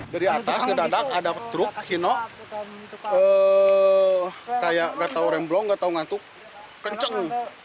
dari atas ke dadak ada truk kaya gak tau remblong gak tau ngantuk kenceng